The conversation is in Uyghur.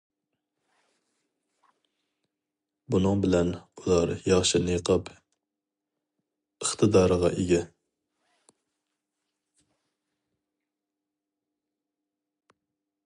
بۇنىڭ بىلەن ئۇلار ياخشى نىقاب ئىقتىدارىغا ئىگە.